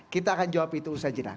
kita akan jawab itu usai jenak